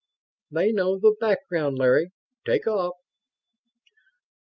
"They know the background, Larry. Take off."